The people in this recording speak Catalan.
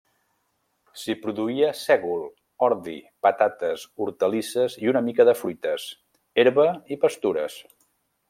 S'hi produïa sègol, ordi, patates, hortalisses i una mica de fruites, herba i pastures.